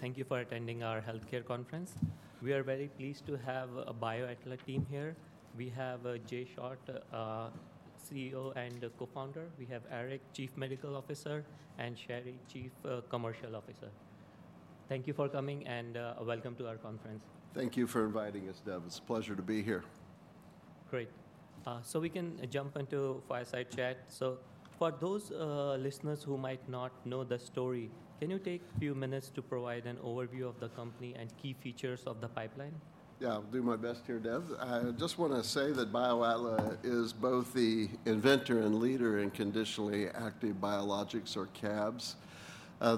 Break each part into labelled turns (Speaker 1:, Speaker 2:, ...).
Speaker 1: Thank you for attending our healthcare conference. We are very pleased to have a BioAtla team here. We have Jay Short, CEO and Co-founder. We have Eric, Chief Medical Officer, and Sheri, Chief Commercial Officer. Thank you for coming, and welcome to our conference.
Speaker 2: Thank you for inviting us, Dev. It's a pleasure to be here.
Speaker 1: Great. So we can jump into fireside chat. So for those listeners who might not know the story, can you take a few minutes to provide an overview of the company and key features of the pipeline?
Speaker 2: Yeah, I'll do my best here, Dev. I just want to say that BioAtla is both the inventor and leader in conditionally active biologics or CABs.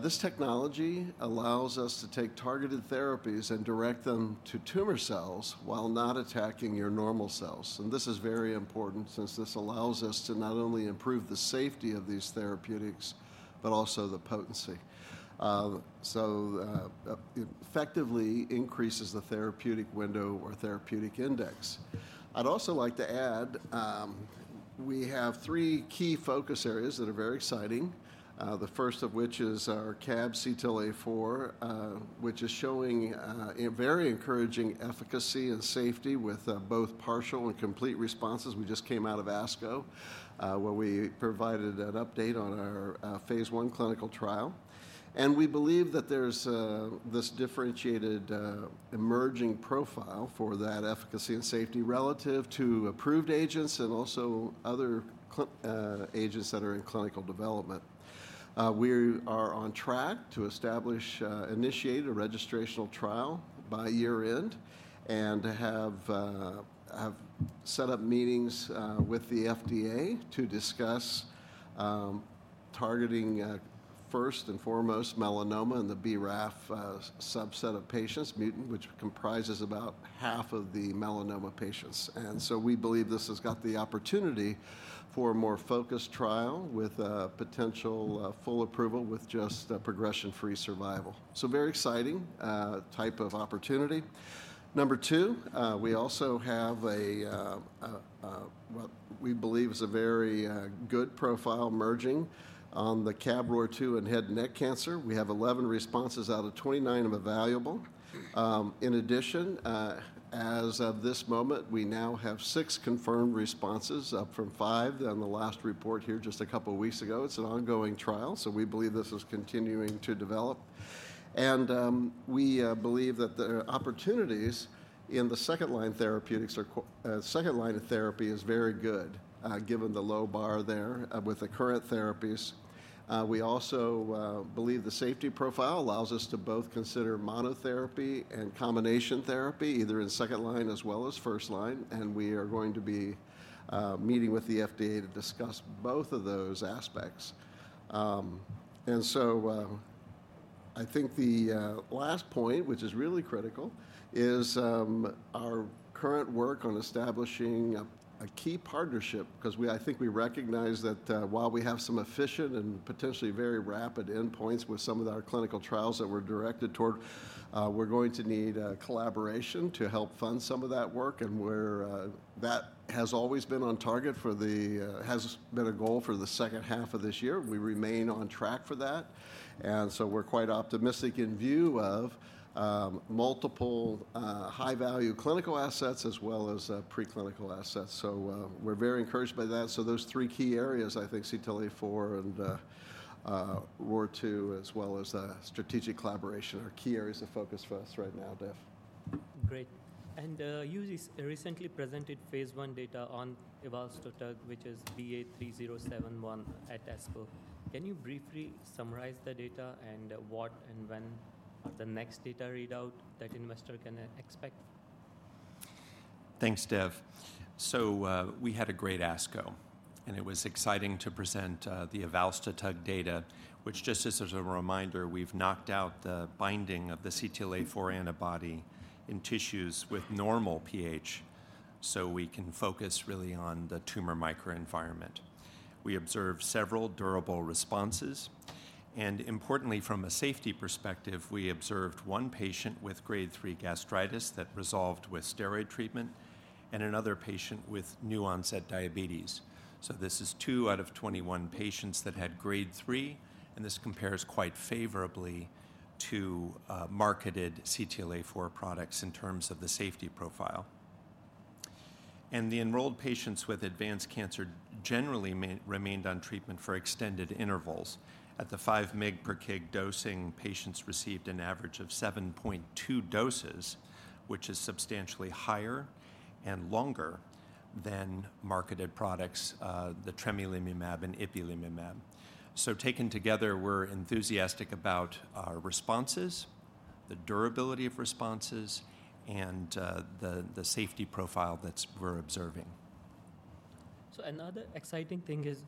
Speaker 2: This technology allows us to take targeted therapies and direct them to tumor cells while not attacking your normal cells. And this is very important since this allows us to not only improve the safety of these therapeutics but also the potency. It effectively increases the therapeutic window or therapeutic index. I'd also like to add, we have three key focus areas that are very exciting, the first of which is our CAB CTLA-4, which is showing a very encouraging efficacy and safety with both partial and complete responses. We just came out of ASCO, where we provided an update on our phase I clinical trial. We believe that there's this differentiated, emerging profile for that efficacy and safety relative to approved agents and also other agents that are in clinical development. We are on track to establish, initiate a registrational trial by year end and have, have set up meetings, with the FDA to discuss, targeting, first and foremost melanoma and the BRAF, subset of patients mutant, which comprises about half of the melanoma patients. And so we believe this has got the opportunity for a more focused trial with a potential, full approval with just a progression-free survival. Very exciting type of opportunity. Number two, we also have a, what we believe is a very, good profile emerging on the CAB-ROR2 and head and neck cancer. We have 11 responses out of 29 of evaluable. In addition, as of this moment, we now have six confirmed responses, up from five on the last report here just a couple of weeks ago. It's an ongoing trial, so we believe this is continuing to develop. We believe that the opportunities in the second line therapeutics are, second line of therapy is very good, given the low bar there, with the current therapies. We also believe the safety profile allows us to both consider monotherapy and combination therapy, either in second line as well as first line, and we are going to be meeting with the FDA to discuss both of those aspects. I think the last point, which is really critical, is our current work on establishing a key partnership, 'cause we I think we recognize that while we have some efficient and potentially very rapid endpoints with some of our clinical trials that we're directed toward, we're going to need a collaboration to help fund some of that work, and we're... That has always been on target for the has been a goal for the second half of this year. We remain on track for that, and so we're quite optimistic in view of multiple high-value clinical assets as well as preclinical assets. So, we're very encouraged by that. So those three key areas, I think CTLA-4 and ROR2, as well as strategic collaboration, are key areas of focus for us right now, Dev.
Speaker 1: Great. And, you recently presented phase I data on evalstotug, which is BA3071, at ASCO. Can you briefly summarize the data and what and when the next data readout that investor can expect?
Speaker 3: Thanks, Dev. So, we had a great ASCO, and it was exciting to present the evalstotug data, which just as a reminder, we've knocked out the binding of the CTLA-4 antibody in tissues with normal pH, so we can focus really on the tumor microenvironment. We observed several durable responses, and importantly, from a safety perspective, we observed one patient with grade 3 gastritis that resolved with steroid treatment and another patient with new-onset diabetes. So this is 2 out of 21 patients that had grade 3, and this compares quite favorably to marketed CTLA-4 products in terms of the safety profile. And the enrolled patients with advanced cancer generally remained on treatment for extended intervals. At the 5 mg per kg dosing, patients received an average of 7.2 doses, which is substantially higher and longer than marketed products, the tremelimumab and ipilimumab. So taken together, we're enthusiastic about our responses, the durability of responses, and the safety profile that we're observing.
Speaker 1: So another exciting thing is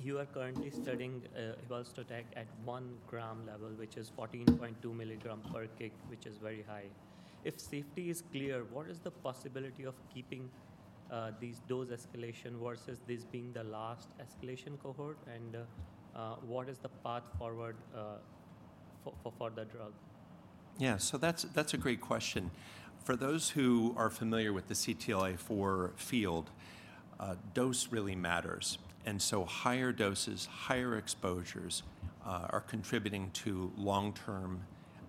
Speaker 1: you are currently studying evalstotug at one gram level, which is 14.2 milligrams per kg, which is very high. If safety is clear, what is the possibility of keeping these dose escalation versus this being the last escalation cohort, and what is the path forward for the drug?
Speaker 3: Yeah, so that's a great question. For those who are familiar with the CTLA-4 field, dose really matters, and so higher doses, higher exposures, are contributing to long-term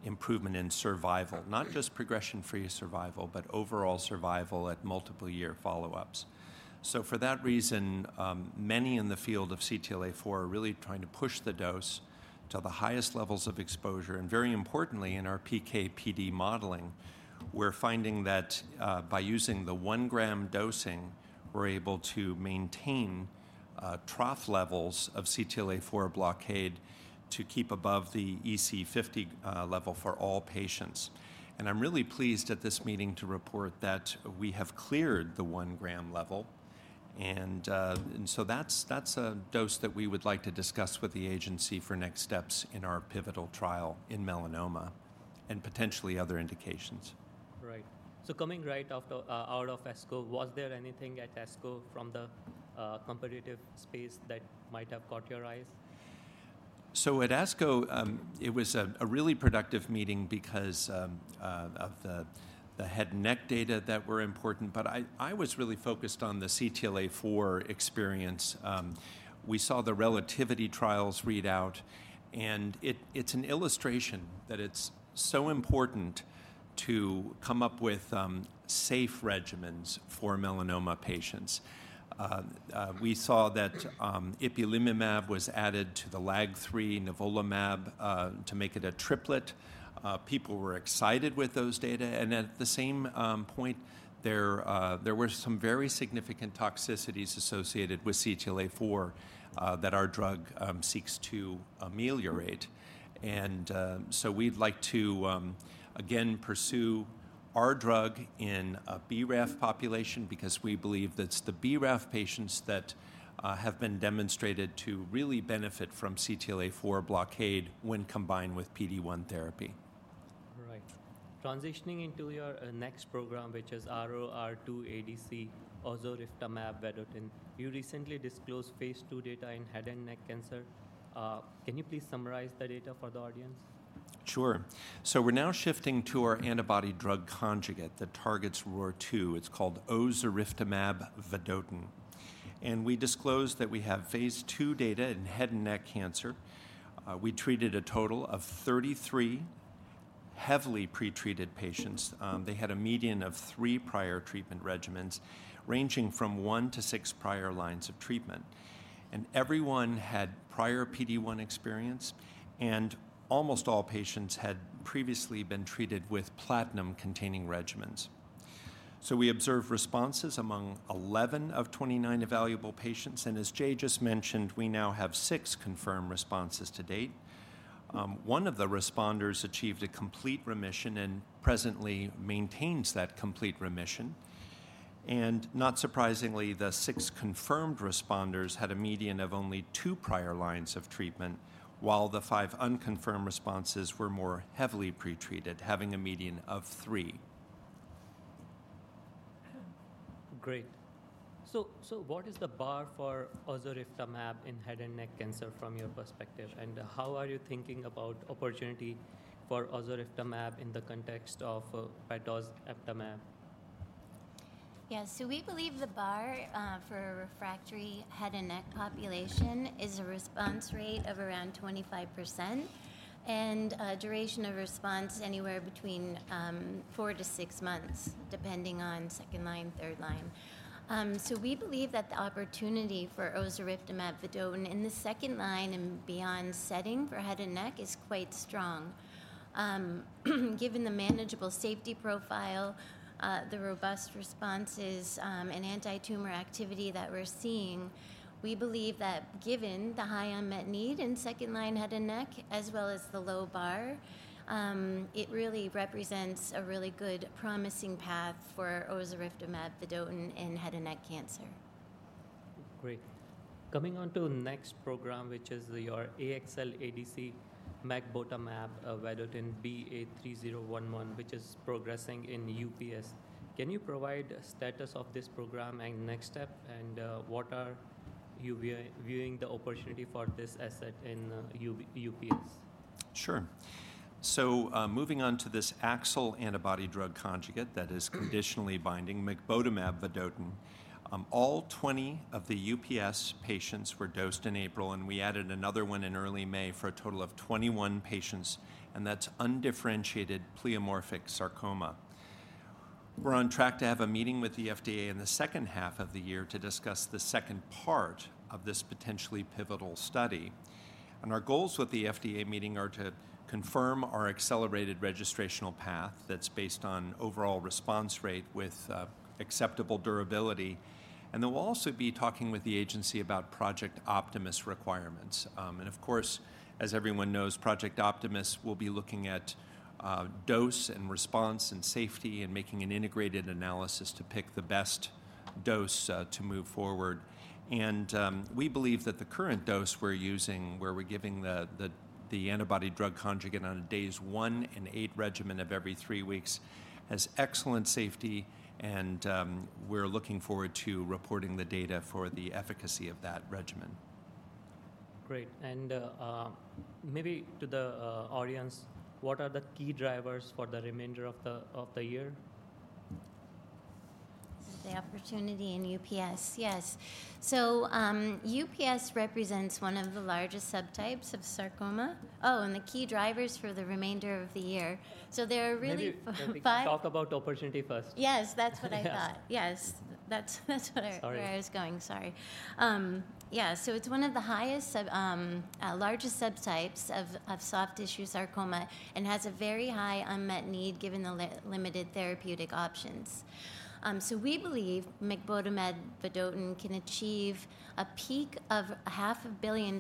Speaker 3: improvement in survival, not just progression-free survival, but overall survival at multiple year follow-ups. So for that reason, many in the field of CTLA-4 are really trying to push the dose to the highest levels of exposure, and very importantly, in our PK/PD modeling, we're finding that, by using the 1-gram dosing, we're able to maintain, trough levels of CTLA-4 blockade to keep above the EC50 level for all patients. I'm really pleased at this meeting to report that we have cleared the 1-gram level, and so that's a dose that we would like to discuss with the agency for next steps in our pivotal trial in melanoma and potentially other indications.
Speaker 1: Right. So coming right after, out of ASCO, was there anything at ASCO from the competitive space that might have caught your eyes?
Speaker 3: So at ASCO, it was a really productive meeting because of the head and neck data that were important, but I was really focused on the CTLA-4 experience. We saw the Relativity trials read out, and it's an illustration that it's so important to come up with safe regimens for melanoma patients. We saw that ipilimumab was added to the LAG-3 nivolumab to make it a triplet. People were excited with those data, and at the same point, there were some very significant toxicities associated with CTLA-4 that our drug seeks to ameliorate. And, so we'd like to again pursue our drug in a BRAF population because we believe that it's the BRAF patients that have been demonstrated to really benefit from CTLA-4 blockade when combined with PD-1 therapy.
Speaker 1: Right. Transitioning into your, next program, which is ROR2 ADC ozuriftamab vedotin. You recently disclosed phase II data in head and neck cancer. Can you please summarize the data for the audience?
Speaker 3: Sure. So we're now shifting to our antibody-drug conjugate that targets ROR2. It's called ozuriftamab vedotin, and we disclosed that we have phase II data in head and neck cancer. We treated a total of 33 heavily pretreated patients. They had a median of 3 prior treatment regimens, ranging from 1 to 6 prior lines of treatment. Everyone had prior PD-1 experience, and almost all patients had previously been treated with platinum-containing regimens. So we observed responses among 11 of 29 evaluable patients, and as Jay just mentioned, we now have 6 confirmed responses to date. One of the responders achieved a complete remission and presently maintains that complete remission. Not surprisingly, the 6 confirmed responders had a median of only 2 prior lines of treatment, while the 5 unconfirmed responses were more heavily pretreated, having a median of 3.
Speaker 1: Great. So, what is the bar for ozuriftamab in head and neck cancer from your perspective? And how are you thinking about opportunity for ozuriftamab in the context of pembrolizumab?
Speaker 4: Yeah. So we believe the bar for a refractory head and neck population is a response rate of around 25% and a duration of response anywhere between 4-6 months, depending on second line, third line. So we believe that the opportunity for ozuriftamab vedotin in the second line and beyond setting for head and neck is quite strong. Given the manageable safety profile, the robust responses, and anti-tumor activity that we're seeing, we believe that given the high unmet need in second-line head and neck, as well as the low bar, it really represents a really good promising path for ozuriftamab vedotin in head and neck cancer.
Speaker 1: Great. Coming on to the next program, which is your AXL ADC mecbotamab vedotin BA3011, which is progressing in UPS. Can you provide a status of this program and next step, and what are you viewing the opportunity for this asset in UPS?
Speaker 3: Sure. So, moving on to this AXL antibody drug conjugate that is conditionally binding mecbotamab vedotin. All 20 of the UPS patients were dosed in April, and we added another one in early May for a total of 21 patients, and that's undifferentiated pleomorphic sarcoma. We're on track to have a meeting with the FDA in the second half of the year to discuss the second part of this potentially pivotal study. Our goals with the FDA meeting are to confirm our accelerated registrational path that's based on overall response rate with acceptable durability. Then we'll also be talking with the agency about Project Optimist requirements. Of course, as everyone knows, Project Optimist will be looking at dose and response and safety and making an integrated analysis to pick the best dose to move forward. We believe that the current dose we're using, where we're giving the antibody-drug conjugate on days 1 and 8 regimen of every three weeks, has excellent safety, and we're looking forward to reporting the data for the efficacy of that regimen.
Speaker 1: Great! And, maybe to the audience, what are the key drivers for the remainder of the year?
Speaker 4: The opportunity in UPS? Yes. So, UPS represents one of the largest subtypes of sarcoma. Oh, and the key drivers for the remainder of the year. So there are really five-
Speaker 1: Maybe we can talk about the opportunity first.
Speaker 4: Yes, that's what I thought.
Speaker 1: Yes.
Speaker 4: Yes. That's what-
Speaker 1: Sorry.
Speaker 4: -where I was going. Sorry. Yeah, so it's one of the largest subtypes of soft tissue sarcoma and has a very high unmet need given the limited therapeutic options. So we believe mecbotamab vedotin can achieve a peak of $500 million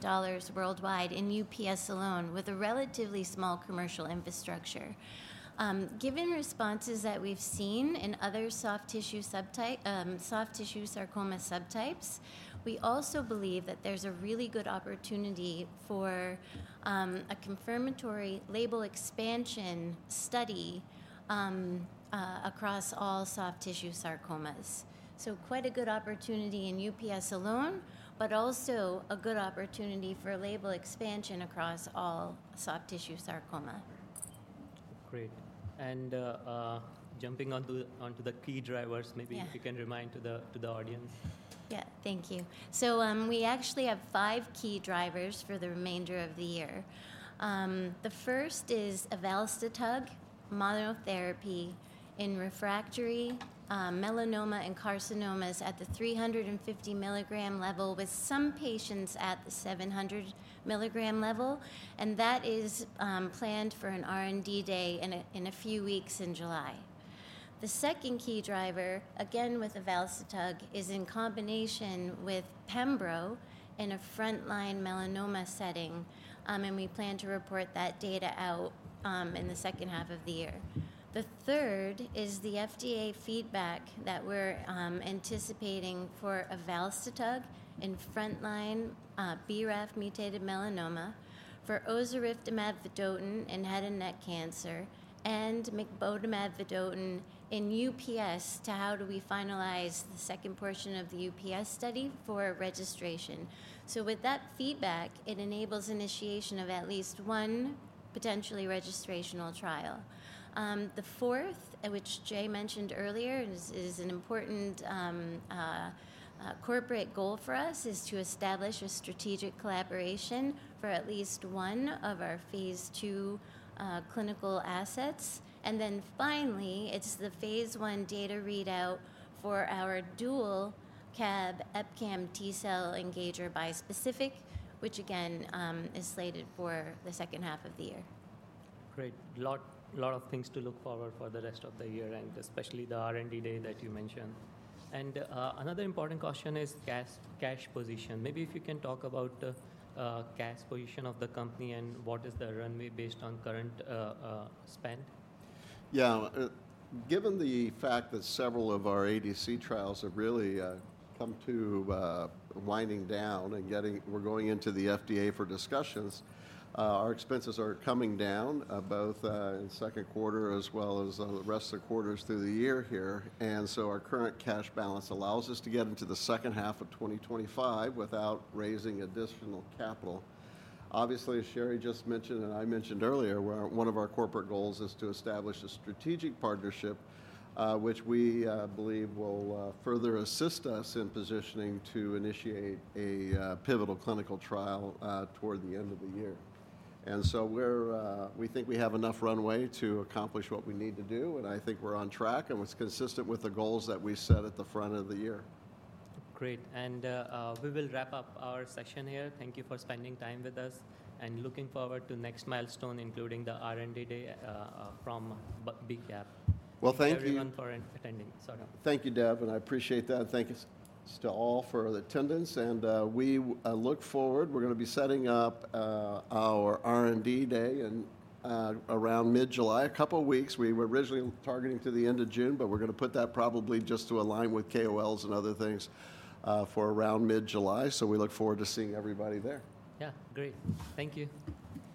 Speaker 4: worldwide in UPS alone, with a relatively small commercial infrastructure. Given responses that we've seen in other soft tissue sarcoma subtypes, we also believe that there's a really good opportunity for a confirmatory label expansion study across all soft tissue sarcomas. So quite a good opportunity in UPS alone, but also a good opportunity for label expansion across all soft tissue sarcoma.
Speaker 1: Great. And, jumping onto the key drivers-
Speaker 4: Yeah...
Speaker 1: maybe you can remind to the audience.
Speaker 4: Yeah. Thank you. So, we actually have five key drivers for the remainder of the year. The first is evalstotug monotherapy in refractory melanoma and carcinomas at the 350 milligram level, with some patients at the 700 milligram level, and that is planned for an R&D day in a few weeks in July. The second key driver, again with evalstotug, is in combination with pembro in a front-line melanoma setting, and we plan to report that data out in the second half of the year. The third is the FDA feedback that we're anticipating for evalstotug in front line BRAF-mutated melanoma, for ozuriftamab vedotin in head and neck cancer, and mecbotamab vedotin in UPS, to how do we finalize the second portion of the UPS study for registration. So with that feedback, it enables initiation of at least one potentially registrational trial. The fourth, which Jay mentioned earlier, is an important corporate goal for us, is to establish a strategic collaboration for at least one of our phase II clinical assets. And then finally, it's the phase I data readout for our dual CAB EpCAM T-cell engager bispecific, which again, is slated for the second half of the year.
Speaker 1: Great. Lot, lot of things to look forward for the rest of the year, and especially the R&D day that you mentioned. And, another important question is cash, cash position. Maybe if you can talk about the cash position of the company and what is the runway based on current spend.
Speaker 2: Yeah. Given the fact that several of our ADC trials have really come to winding down and we're going into the FDA for discussions, our expenses are coming down both in second quarter as well as the rest of the quarters through the year here. And so our current cash balance allows us to get into the second half of 2025 without raising additional capital. Obviously, Sheri just mentioned, and I mentioned earlier, where one of our corporate goals is to establish a strategic partnership, which we believe will further assist us in positioning to initiate a pivotal clinical trial toward the end of the year. And so we're, we think we have enough runway to accomplish what we need to do, and I think we're on track, and it's consistent with the goals that we set at the front of the year.
Speaker 1: Great, and, we will wrap up our session here. Thank you for spending time with us, and looking forward to next milestone, including the R&D day, from BCAB.
Speaker 2: Well, thank you-
Speaker 1: Everyone for attending. Sorry.
Speaker 2: Thank you, Dev, and I appreciate that. Thank you to all for the attendance and, we look forward. We're gonna be setting up our R&D day in around mid-July, a couple of weeks. We were originally targeting to the end of June, but we're gonna put that probably just to align with KOLs and other things for around mid-July. So we look forward to seeing everybody there.
Speaker 1: Yeah, great. Thank you.